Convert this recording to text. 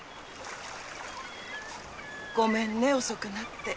ごめんね遅くなって。